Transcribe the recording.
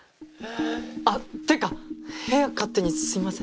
あっっていうか部屋勝手にすいません。